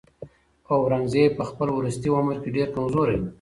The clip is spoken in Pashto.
اورنګزېب په خپل وروستي عمر کې ډېر کمزوری و.